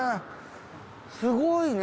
すごいね。